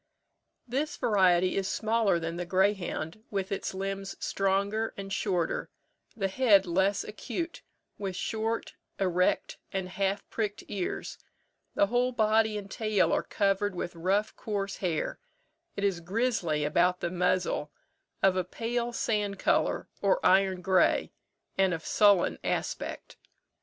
This variety is smaller than the greyhound, with its limbs stronger and shorter, the head less acute, with short, erect, and half pricked ears: the whole body and tail are covered with rough coarse hair; it is grizzly about the muzzle, of a pale sand colour, or iron grey, and of sullen aspect.